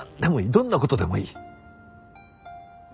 どんな事でもいい。